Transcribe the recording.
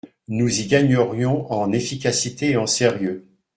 Nous y gagnerions en efficacité et en sérieux.